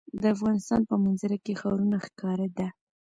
د افغانستان په منظره کې ښارونه ښکاره ده.